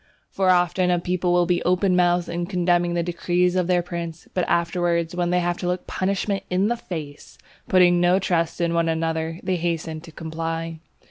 For often a people will be open mouthed in condemning the decrees of their prince, but afterwards, when they have to look punishment in the face, putting no trust in one another, they hasten to comply.